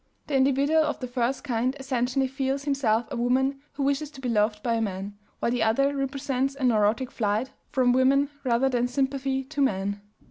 The individual of the first kind essentially feels himself a woman who wishes to be loved by a man, while the other represents a neurotic flight from women rather than sympathy to men."